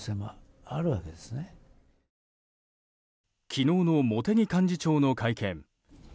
昨日の茂木幹事長の会見。